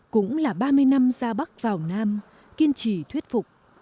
cũng là ba mươi năm ra bắc vào nam kiên trì thuyết phục